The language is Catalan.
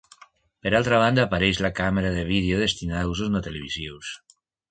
Per altra banda, apareix la Càmera de vídeo destinada a usos no televisius.